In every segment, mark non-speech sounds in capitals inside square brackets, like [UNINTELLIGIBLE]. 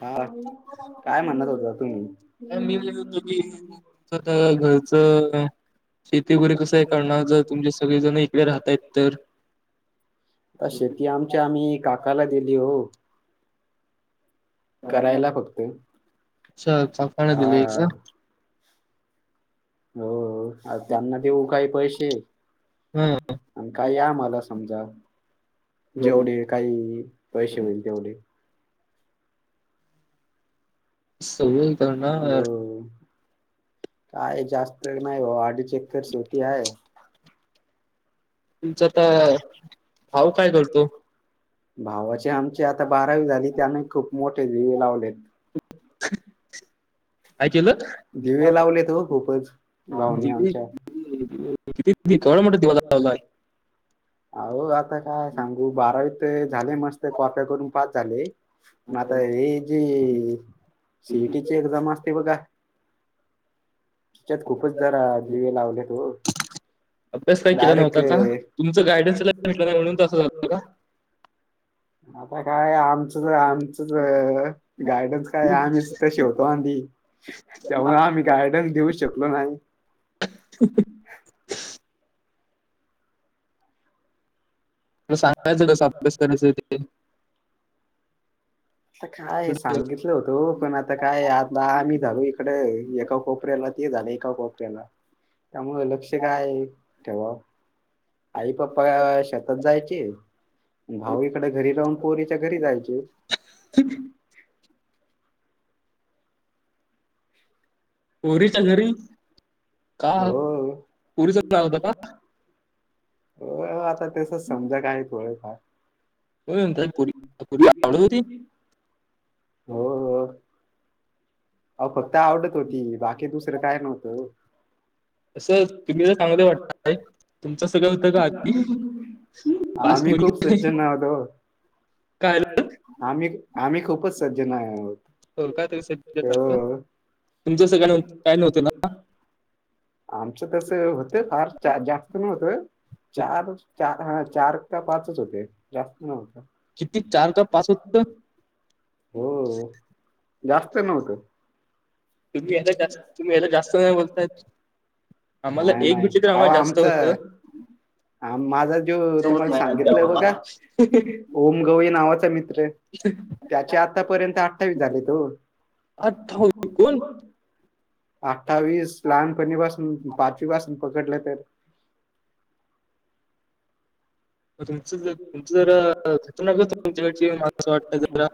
हा काय म्हणत होता तुम्ही. मी म्हणत होतो की तुमचं आता घरचं शेती वगैरे कसं आहे करणार जर तुमचे सगळेजण इकडे राहतायत तर आ शेती आमच्या आम्ही काकाला दिली हो. करायला फक्त. अच्छा, काकांना दिलीय हा का? हो, हो. हा त्यांना देऊ काही पैसे हा आणि काही आम्हाला समजा जेवढे काही पैसे होईल तेवढे. सवाई हो. कायच. जास्त नाही हो, आडीच एकर शेती आहे. तुमचा आता भाऊ काय करतो भावाची आमच्या आता बारावी झाली. त्याने खूप मोठे दिवे लावलेत. काय केलं दिवे लावलेत ओ खूपच भावांनी डिग्री आमच्या. किती, केवढा मोठा दिवा लावलायं. आहो आता काय सांगू बारावीत झाले मस्त कॉप्या करून पास झाले. पण आता हे जी सी. ई. टी. ची एक्झाम असते बघा. त्याच्यात खूपच जरा दिवे लावले. घेतो. अभ्यास काय केला नव्हता का तुम्ही? गाईडन्स [UNINTELLIGIBLE] भेटला नाही म्हणून तसं झालंय का. आता काय आमचं? सगळं आमचंच आहे. गाईडन्स काय आम्हीच तरं शेवटं [UNINTELLIGIBLE] तेव्हा आम्ही गाईडन्स घेऊ शकतो. ब [UNINTELLIGIBLE] ला सांगायचं कसं अभ्यास करायचं ते आ काय सांगितलं होतं पण आता काय आता आम्ही झालो इकडे एका कोपऱ्याला ते झालं कोपय ना त्यामुं लक्ष काय त्याव्हा आई पप्पा शेतात जायचे भाऊ इकडे घरी राहून पोरीच्या घरी जायचे हम्म पोरीच्या घरी का पोरीचं नाव होतं का हो. हो आता तसंच समजा काय थोडंफार. हो [UNINTELLIGIBLE] होती? हो हो. अहो फक्त आवडत होती बाकी दुसरं काय नव्हतं ओ. असं [INAUDIBLE] तुम्ही तर चांगले वाटताय तुमचं सगळं होतं का आधी पास्ट आम्ही मध्ये खूप सज्जन आहोत ओ. काय झालं? आम्ही आम्ही खूपच सज्जन नाही आहोत. [UNINTELLIGIBLE] तुमचं हो. [INAUDIBLE] काय नव्हतं ना? आमचं तसं होतं फार. चार जास्त नै होतं चार चार [INAUDIBLE] चार का पाचच होते जास्त नव्हते. किती चार का पाच होतं? हो जास्त नव्हतं. तुम्ही आता जा तुम्ही आता जास्त वेळ बोलताय. आम्हाला काय एक नायी. भेटली तर आओ आम्हाला जास्त होतं आमचं आ माझा ज्यो सोबत तुम्हाला सांगितलं बघा नाही ओम गवई नावाचा मित्र त्याचे आतापर्यंत अठ्ठावीस झालेत ओ. [UNINTELLIGIBLE] अठ्ठावीस लहानपणीपासून पाचवीपासून पकडलं तर तुमचं जर- तुमचं [INAUDIBLE] जरा खतरनाक होतं तुमच्याकडची मला असं वाटतं जरा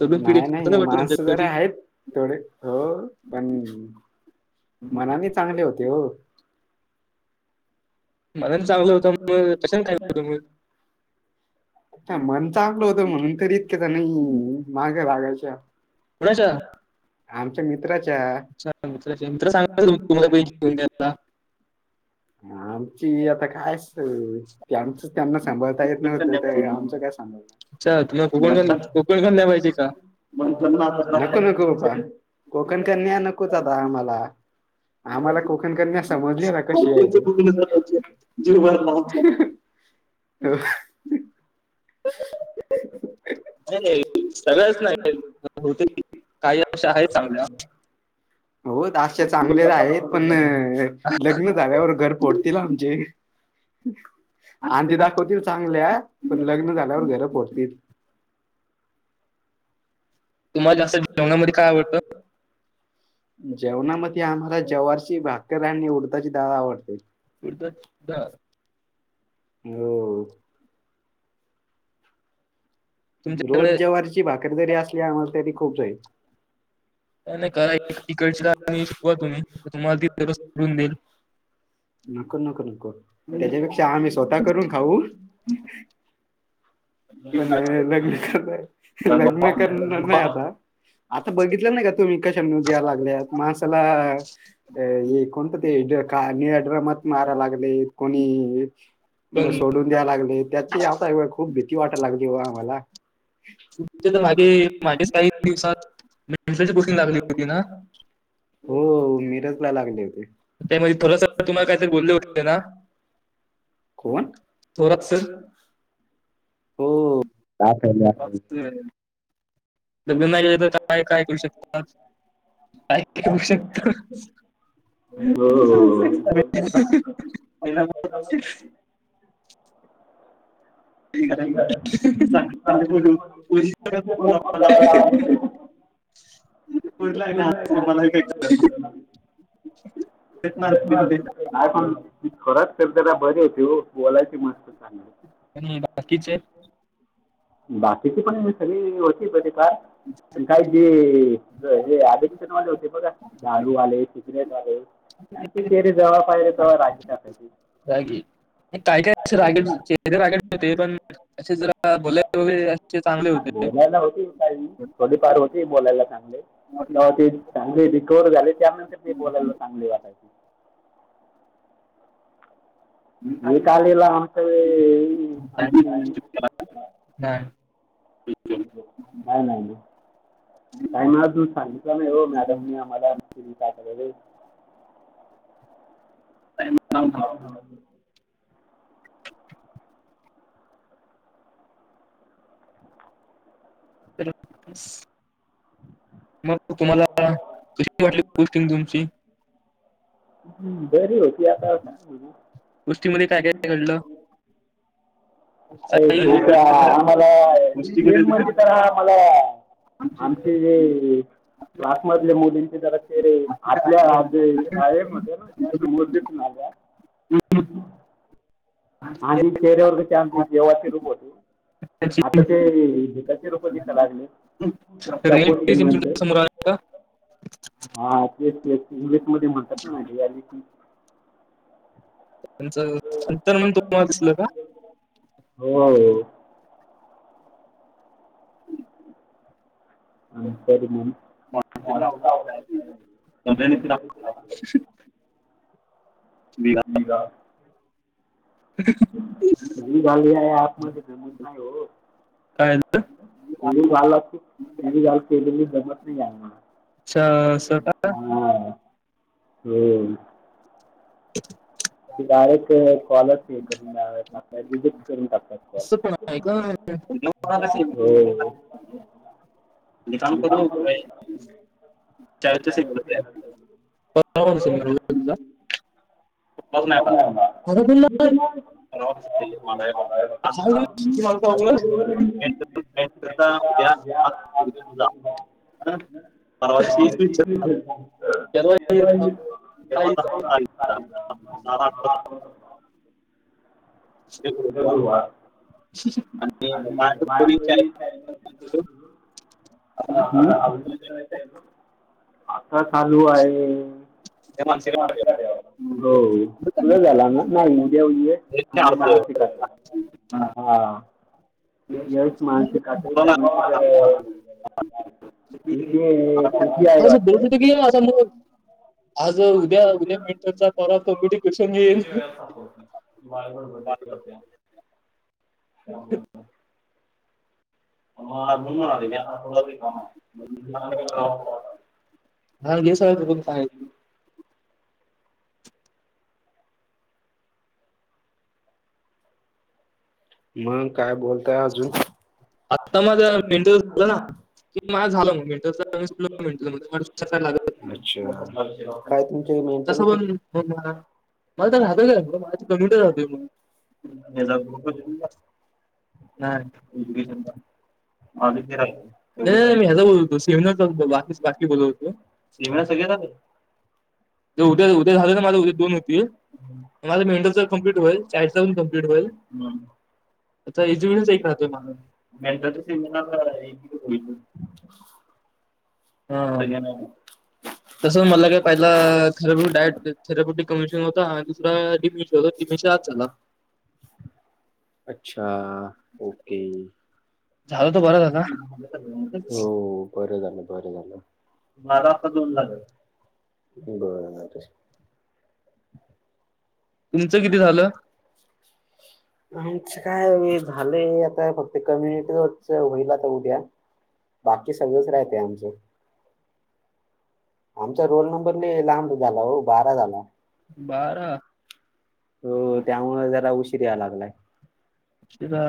तरुण पिढी नाही नाही, खतरनाक वाटतं माणसं तुमच्याकडची जरा आहेत थोडे हो पण मनाने चांगले होते हो. मन चांगलं होतं मग कशानं काय होतं मग? मन चांगलं होत म्हणून, तरी इतक्याच नाही मागे वागायच्या कुणाच्या आमच्या मित्राच्या. अच्छा मित्राच्या मित्र सांगा तुम्हाला पैकी घेऊन द्यायला आमची आता काय अस आमच त्यांना सांभाळता येत नव्हत तर आमचं काय सांभळ अच्छा तुम्हाला कोकण कोकण कन्या पाहिजे का नको नको प्पा कोकण कणी नकोच आता. कामला. आम्हाला कोकण क्या समजले कशी? आहे ते. [UNINTELLIGIBLE] [INAUDIBLE] नाही नाही सगळंच नाही होते. काही अश्या आहे चांगल्या हो दशे चांगलेच आहेत, पण लग्न झाल्यावर घर फोडतील आमचे. हम् आणि ते दाखवतील चांगले. लग्न झाल्यावर घर पोडतील. तुम्हाला जास्त जेवणामध्ये काय आवडतं जेवणामध्ये आम्हाला जव्हारची भाकरर नि उडत- ची दाळ आवडते. आवडतं? दा- हो रोज तुमच्याकडे जेवारची भाकरी जरी असली आम्हाला तरी खूप जाईल. नाही करा एक तिकडची डाळ आणि शिकवा तुम्ही तर तुम्हाला ती दररोज करून देईल नको नको नको! तर त्याच्यापेक्षा आम्ही स्वतः करून खाऊ. पण लग्न कर लग्न करणार नाही आता. आता बघितलं नाही का तुम्ही कशा न्यू दयला लागल्यात माणसाला अ कोणत ते काड्रमात मारा लागले कोणी. मग सोडून द्या लागल. त्याची आता ए खूप भ- किती वाटा लागली वो आम्हाला? ही मागे मागेच काही दिातु दिवसात मेंटलची कोचिंग लागली होती ना ला हो मीज लागले होते त्यामध्ये थोडा सर तुम्हाला काहीतरी बोलले होते ना कोण? थोरात सर हो, का- अस लग् नाही तर काय काय करू शकतात? का करऊ शकतो. हो बोलते. का खो फे भहिरीत बोलायचे मस्त चांगली. आणि बाकीचे बाकीची पणी सगळी होतीती फार [UNINTELLIGIBLE] काय जी ज हे ऍडिक्शन वाले होते बघा, दारूवाले सिगरेट वाले [UNINTELLIGIBLE] राजी [UNINTELLIGIBLE] रागीट? काय काय असं [INAUDIBLE] होते पण असे जरा बोलायला वगैरे असे चांगले होते बोलायला होती [INAUDIBLE] थोडीफार होती बोलायला चांगले तवा ते चांगले रिकोवर झाले त्यानंतर ते बोलायला चांगले वाटायची. एकालेला हामचे आमची नाही काही ना तू सांगितलं नाही हो मॅडमने आम्हाला. [UNINTELLIGIBLE] [UNINTELLIGIBLE] हॅलो मग तुम्हाला कशी वाटली पोस्टिंग तुमची बरी होती आता काय म्हणू. गोष्टीमध्ये काय काय घडलं अ काही खूप आम्हाला मेन म्हणजे तर आमला आमचे जे क्लास मधले मुलींचे जरा आतल्या आत काळे पडलेत जरा व्यवस्थित झाका हम् आधी चेहऱ्यावर क देवाचे रूप होते आता ते दैत्यरूप दिसा लागले त्या पो रिअलिटी म्हण समोर आली का हा तेच ते इंग्लिश मध्ये म्हणतात ना या त्यांच अंतरमन दु हो का ह रणनीतीला म विगा- का? त घालमध्येध्ये जमत नाही हो काय झालं? घाण अच्छा, केलेली जमत नाही आ मला असं का? हा होम [INAUDIBLE] डायरेक्ट कॉलच हे करून द्या असं पण आहे का? ह मी काम करू? चाळीसच्या त्यालप ति सेवेला आहे. परवा हो नसेल ना रोहितला? कुठलाच नाही आला. मला पण नाही. परवा कसं आहे, माझा आहे बघ. सहा दिवस की मला तर आवडलं. मेन तर- मेन करता उद्या आज उद्या तुझा हं? परवा दिवशी परवा येत हा. तेव्हा आता तारीख [INAUDIBLE] [INAUDIBLE] उद्या गुरुवार आणि ते आणि माझ्या कड बी मायापुरी चाळीस आता- [UNINTELLIGIBLE] आता चालू आहे त्या माणसाला हो तुज झाला ना नाही तू जेऊन घे त्याच्या आणि अर्ज हा यश मानसिकते त्यानसार तती तिती आई असं वाटते बोलत होतो की असा मग आज उद्या उद्या मेंटरचा परवा कॉम्पिटिशन येईल [UNINTELLIGIBLE] म म्हणून मी आलोय मी आता आठवडा भर रिकामा आहे ते काम पैला करावं हा हे सगळं बघून काय मग काय बोलताय अजून. आता माझ माझं मेंटल झालं झाल ना माझं झालं मग की मेंटलचा मी सुटलो मेंटल म्हणजे काय लागत नाही. तसं पण मग मला मला तर राहतं काय मला तर कम्युनिटी राहतोय मग ग्रुप नाही. होते बा आदित्य राहील नाही नाही, मी ह्याचा बोलत होतो सेव्हनचा बाकी बोलत होते होतो उ्या सेव्हन सगळे झाले जर उद्या झा झालं ना माझं उद्या दोन होतील मला माझं मेंट मेंटलचं कमपट कम्प्लीट होलय होईल कट चाळीसचा पण कम्प्लीट होईल हम्म. आता एज्युकेशनच एक सेट राहतोय माझं राह मेड मेंटलच्या सेमिनार सेमिनारला ए एक-एक होईल. होलो हा. सगळ्यांना म तसं मला काय पहिला थेरप्युटिक डायट थेरप्युटिक कमिशन होता आणि दुसरा डिमिशन होता डिमिशन आज झाला अच्छा ओके झाला तर बरा झाला हो बरं झालं बरं झालं माझा आता दोन झाले बर. तुमचं किती झालं काय झाले फक्त कम्युनिटी च होईल आता उद्या बाकी सगळच राहते आमच आमचा रोल नंबरने लांब झाला हो बारा झाला बारा हो त्यामुळे जरा उशीरी आला आलंय कितीदा.